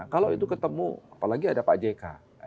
kalau itu ketemu apalagi ada pak jk